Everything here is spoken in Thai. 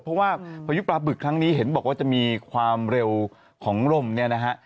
เพราะว่าพายุปลาบึกครั้งนี้เห็นบอกว่าจะมีความเร็วของลมเนี่ยนะฮะ